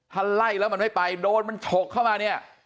ถ้าไล่แล้วมันไม่ไปโดนมันฉกเข้ามาเนี่ย